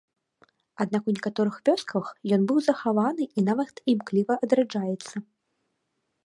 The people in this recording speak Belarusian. Аднак у некаторых вёсках ён быў захаваны і нават імкліва адраджаецца.